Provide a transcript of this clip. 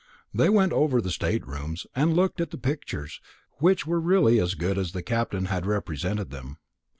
They went over the state rooms, and looked at the pictures, which were really as good as the Captain had represented them.